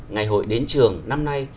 ngày hội đến trường năm nay